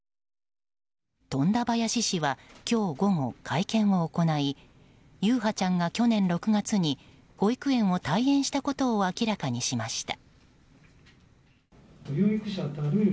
富田林市は今日午後、会見を行い優陽ちゃんが去年６月に保育園を退園したことを明らかにしました。